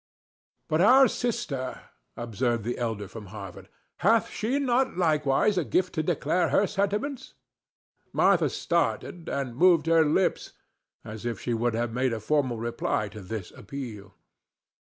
"But our sister," observed the elder from Harvard. "Hath she not likewise a gift to declare her sentiments?" Martha started and moved her lips as if she would have made a formal reply to this appeal.